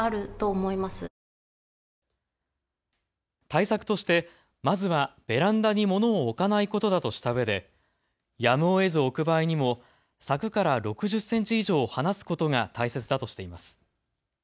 対策として、まずはベランダに物を置かないことだとしたうえでやむをえず置く場合にも柵から６０センチ以上離すことが大切だとしています。